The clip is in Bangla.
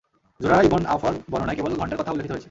যুরারা ইবন আওফার বর্ণনায় কেবল ঘন্টার কথা উল্লেখিত হয়েছে।